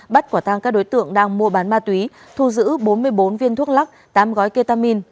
bắt quả tang các đối tượng đang mua bán ma túy thu giữ bốn mươi bốn viên thuốc lắc tám gói ketamin